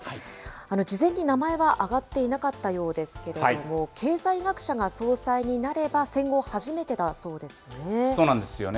事前に名前は挙がっていなかったようですけれども、経済学者が総裁になれば、戦後初めてだそうですね。